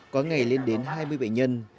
có ngày lên đến hai mươi bệnh nhân